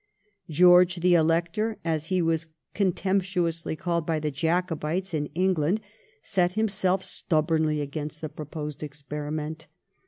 ' George the Elector,' as he was contemptuously called by the Jacobites in England, set himself stubbornly against the proposed experiment.